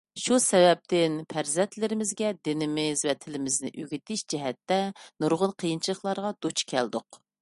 شۇ سەۋەبتىن پەرزەنتلىرىمىزگە دىنىمىز ۋە تىلىمىزنى ئۆگىتىش جەھەتتە نۇرغۇن قىيىنچىلىقلارغا دۇچ كەلدۇق.